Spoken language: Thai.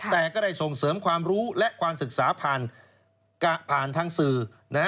แต่ก็ได้ส่งเสริมความรู้และความศึกษาผ่านทางสื่อ